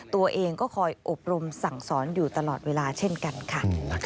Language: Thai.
ตัวเองก็คอยอบรมสั่งสอนอยู่ตลอดเวลาเช่นกันค่ะ